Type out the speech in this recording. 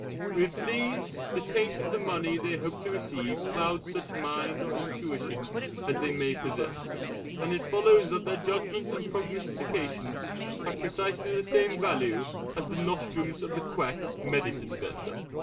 With these, the taint of the money they hope to receive clouds such mind or intuition as they may possess, and it follows that their judgments and prognostications have precisely the same value as the nostrums of the quack medicine vendor.